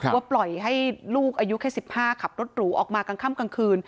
ว่าปล่อยให้ลูกอายุแค่๑๕ขับรถหรูออกมากลางค่ำกลางคืน